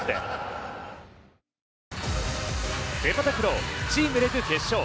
セパタクロー、チームレグ決勝。